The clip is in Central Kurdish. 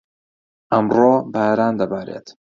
ئەمڕۆ، باران دەبارێت.